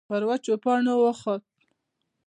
پر وچو پاڼو وخوت.